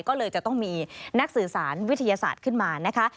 ก็เลยจะต้องมีนักสื่อสารวิทยาศาสตร์ขึ้นมานะคะ